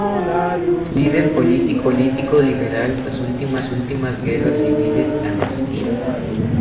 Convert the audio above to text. Líder político liberal durante las últimas guerras civiles argentinas.